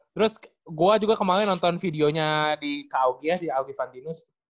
terus gue juga kemaren nonton videonya di kaukia di augi pantinus